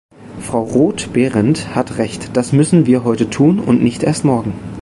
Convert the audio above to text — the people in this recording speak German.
Frau Roth-Behrendt hat Recht, das müssen wir heute tun und nicht erst morgen.